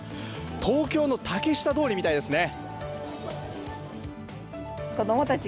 東京の竹下通りみたいですね。